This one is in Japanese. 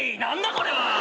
これは！